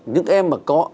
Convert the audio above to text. những em mà có